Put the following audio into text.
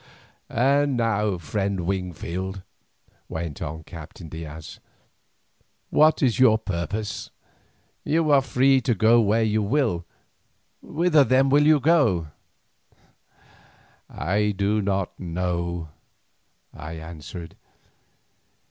"And now, friend Wingfield," went on the Captain Diaz, "what is your purpose? You are free to go where you will, whither then will you go?" "I do not know," I answered.